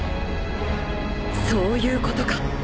そういうことか。